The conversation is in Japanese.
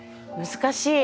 難しい。